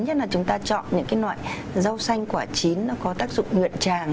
chứ là chúng ta chọn những loại rau xanh quả chín có tác dụng ngượn tràng